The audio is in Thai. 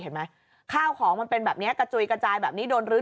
เห็นไหมข้าวของมันเป็นแบบนี้กระจุยกระจายแบบนี้โดนรื้อ